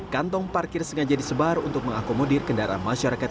kantong parkir sengaja disebar untuk mengakomodir kendaraan masyarakat